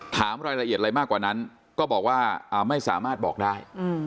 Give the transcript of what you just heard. ถามรายละเอียดอะไรมากกว่านั้นก็บอกว่าไม่สามารถบอกได้